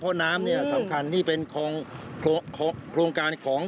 เพราะน้ำเนี่ยสำคัญนี่เป็นโครงการของ